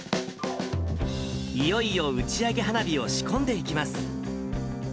いよいよ打ち上げ花火を仕込んでいきます。